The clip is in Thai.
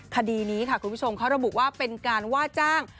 คดีนี้ค่ะคุณผู้ชมเขาระบุว่าเป็นการว่าจ้าง